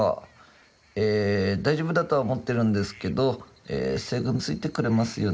え大丈夫だとは思ってるんですけど西軍についてくれますよね？